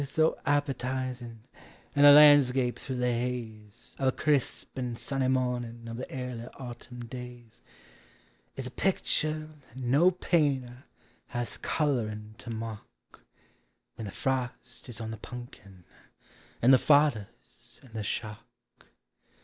s so appetizin' ; and the landscape through Hie haze Of a crisp and sunny morning of tl»<' airly autumn days Is a pictur' thai no painter has the colorin to mock — When the frost is on the punkin and the fodder 'a in (lie shock.